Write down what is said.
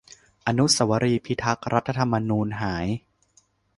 อนุสาวรีย์พิทักษ์รัฐธรรมนูญหาย